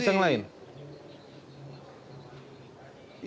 itu yang kita koreksi